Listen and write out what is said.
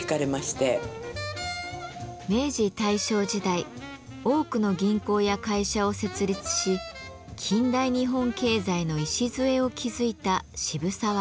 明治大正時代多くの銀行や会社を設立し近代日本経済の礎を築いた渋沢栄一。